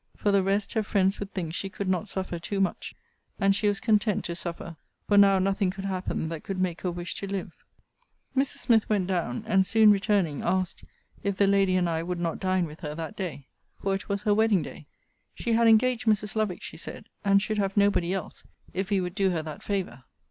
For the rest, her friends would think she could not suffer too much; and she was content to suffer: for now nothing could happen that could make her wish to live. Mrs. Smith went down; and, soon returning, asked, if the lady and I would not dine with her that day; for it was her wedding day. She had engaged Mrs. Lovick she said; and should have nobody else, if we would do her that favour.